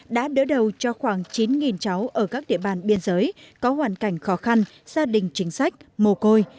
đã đỡ đầu cho khoảng chín cháu ở các địa bàn biên giới có hoàn cảnh khó khăn gia đình chính sách mồ côi